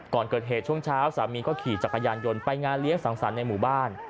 ก่อนเกิดเหตุช่วงเช้าสามีก็ขี่จักรยานยนต์ไปงานเลี้ยงสังสรรค์ในหมู่บ้าน